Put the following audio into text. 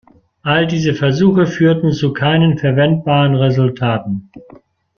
All diese Versuche führten zu keinen verwendbaren Resultaten.